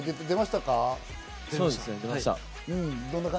出ました。